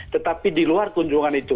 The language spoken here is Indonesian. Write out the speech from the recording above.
tetapi di luar kunjungan itu